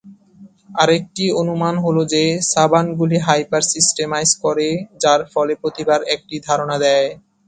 আরেকটি অনুমান হল যে সাভান্টগুলি হাইপার-সিস্টেমাইজ করে, যার ফলে প্রতিভার একটি ধারণা দেয়।